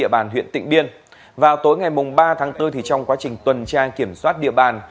bàn huyện tỉnh biên vào tối ngày ba tháng bốn trong quá trình tuần tra kiểm soát địa bàn